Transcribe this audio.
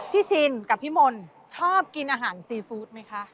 ชินกับพี่มนต์ชอบกินอาหารซีฟู้ดไหมคะ